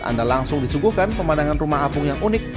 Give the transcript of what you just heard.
anda langsung disuguhkan pemandangan rumah apung yang unik